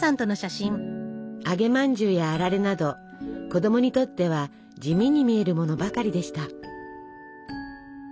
揚げまんじゅうやあられなど子供にとっては地味に見えるものばかりでした。